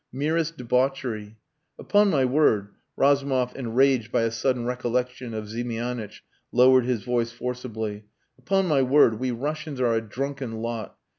Merest debauchery. ...Upon my Word," Razumov, enraged by a sudden recollection of Ziemianitch, lowered his voice forcibly, "upon my word, we Russians are a drunken lot.